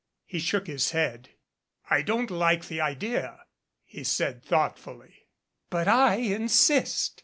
He shook his head. "I don't like the idea," he said thoughtfully. "But I insist."